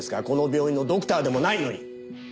この病院のドクターでもないのに。